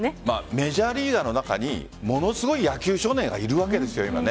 メジャーリーガーの中にものすごい野球少年がいるわけですよ、今。